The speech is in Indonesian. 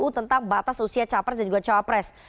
di pkpu tentang batas usia capres dan juga cawapres